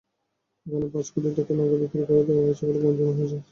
এখানে পাঁচ কোটি টাকায় নৌকা বিক্রি করে দেওয়া হয়েছে বলে গুঞ্জন রয়েছে।